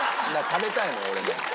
食べたいのよ俺も。